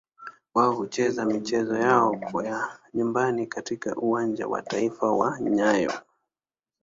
Wao hucheza michezo yao ya nyumbani katika Uwanja wa Taifa wa nyayo.